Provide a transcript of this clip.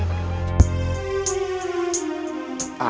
gue gak bisa bikin hukuman gue dikabut